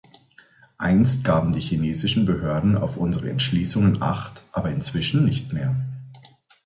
Einst gaben die chinesischen Behörden auf unsere Entschließungen acht aber inzwischen nicht mehr.